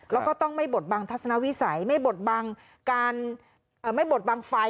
แล้วก็ต้องไม่บดบังทัศนวิสัยไม่บดบังการไม่บดบังไฟ